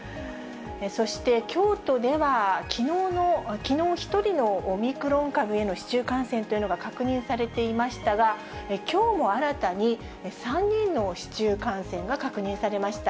そして京都では、きのう、１人のオミクロン株への市中感染というのが確認されていましたが、きょうも新たに３人の市中感染が確認されました。